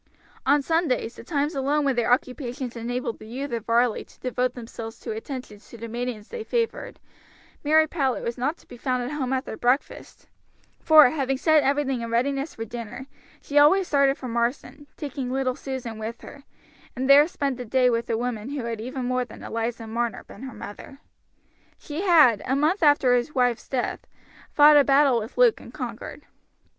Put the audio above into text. On Sundays, the times alone when their occupations enabled the youth of Varley to devote themselves to attentions to the maidens they favored, Mary Powlett was not to be found at home after breakfast, for, having set everything in readiness for dinner, she always started for Marsden, taking little Susan with her, and there spent the day with the woman who had even more than Eliza Marner been her mother. She had, a month after his wife's death, fought a battle with Luke and conquered.